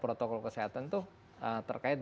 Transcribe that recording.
protokol kesehatan itu terkait